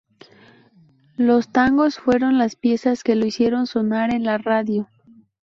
Los tangos fueron las piezas que lo hicieron sonar en la radio.